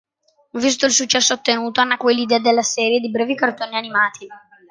Visto il successo ottenuto, nacque l'idea della serie di brevi cartoni animati.